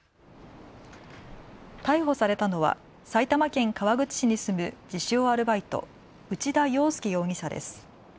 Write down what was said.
逮捕されたのは埼玉県川口市に住む自称アルバイト、内田洋輔容疑者です。